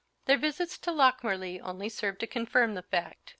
Their visits to Lochmarlie only served to confirm the fact.